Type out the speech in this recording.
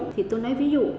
thì tôi nói ví dụ